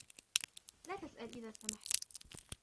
لا تسأل إذا سمحت.